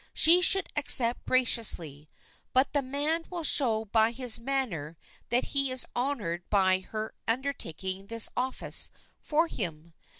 She should accept graciously, but the man will show by his manner that he is honored by her undertaking this office for him.